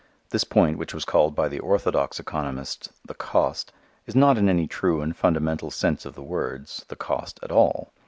This point, which was called by the orthodox economists the "cost," is not in any true and fundamental sense of the words the "cost" at all.